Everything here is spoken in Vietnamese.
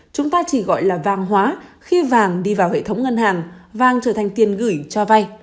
chúng ta chỉ gọi là vàng hóa khi vàng đi vào hệ thống ngân hàng vàng trở thành tiền gửi cho vay